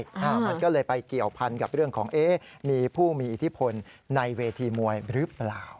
มันก็เลยไปเกี่ยวพันกับเรื่องของมีผู้มีอิทธิพลในเวทีมวยหรือเปล่า